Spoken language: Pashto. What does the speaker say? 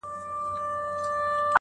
د غراب او پنجرې یې سره څه,